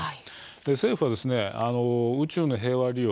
政府は宇宙の平和利用